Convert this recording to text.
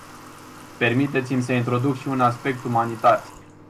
Permiteți-mi însă să introduc și un aspect umanitar.